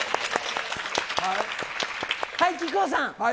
はい、木久扇さん。